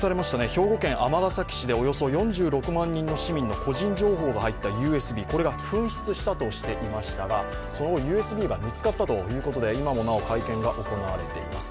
兵庫県尼崎市でおよそ４６万人の市民の個人情報が入ったＵＳＢこれが紛失したとしていましたが、そのＵＳＢが見つかったということで今もなお会見が行われています。